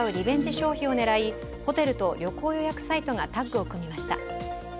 消費を狙い、ホテルと旅行予約サイトがタッグを組みました。